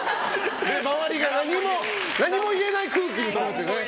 周りが何も言えない空気にするっていうね。